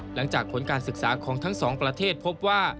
หลังจากผลการศึกษาของทั้งสองประเทศพบว่า